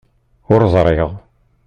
Ur ẓriɣ.